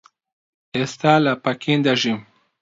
ئێستا لە پەکین دەژیم.